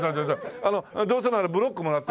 あのどうせならブロックをもらって。